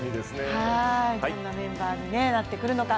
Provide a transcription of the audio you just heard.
どんなメンバーになってくるのか。